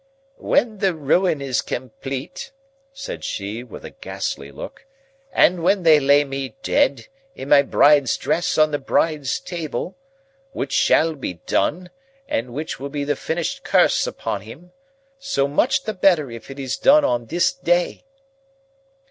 "When the ruin is complete," said she, with a ghastly look, "and when they lay me dead, in my bride's dress on the bride's table,—which shall be done, and which will be the finished curse upon him,—so much the better if it is done on this day!"